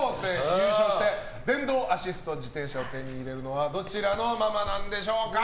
優勝して電動アシスト自転車を手に入れるのはどちらのママなんでしょうか。